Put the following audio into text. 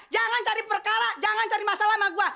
jangan cari perkara jangan cari masalah sama gue